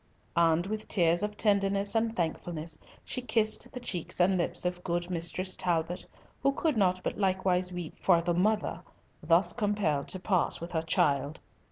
And with tears of tenderness and thankfulness she kissed the cheeks and lips of good Mistress Talbot, who could not but likewise weep for the mother thus compelled to part with her child.